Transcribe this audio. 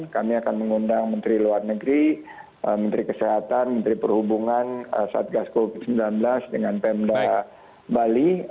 kami akan mengundang menteri luar negeri menteri kesehatan menteri perhubungan satgas covid sembilan belas dengan pemda bali